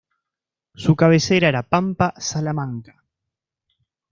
Su cabecera era Pampa Salamanca.